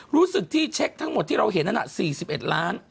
รู้สึกที่เช็คทั้งหมดที่เราเห็นนั่นอ่ะสี่สิบเอ็ดล้าน